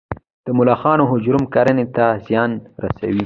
د ملخانو هجوم کرنې ته زیان رسوي؟